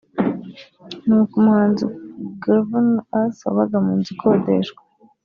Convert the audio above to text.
ni uko umuhanzi Guvnor Ace wabaga mu nzu ikodeshwa